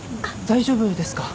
大丈夫ですか？